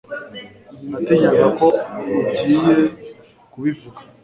Natinyaga ko ugiye kubivuga